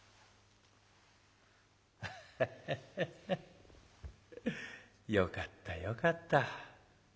「アハハハハよかったよかった。